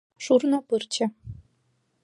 Шурно пырче